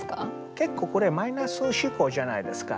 結構これマイナス思考じゃないですか。